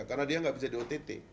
karena dia nggak bisa di ott